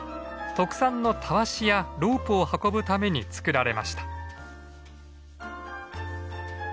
特産のたわしやロープを運ぶために作られました。